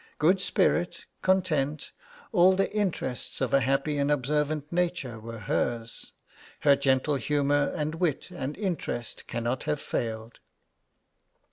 Good spirit, content, all the interests of a happy and observant nature were hers. Her gentle humour and wit and interest cannot have failed.